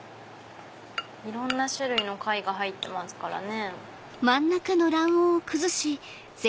いろんな種類の貝が入ってますからね。